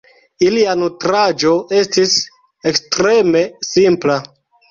Ilia nutraĵo estis ekstreme simpla.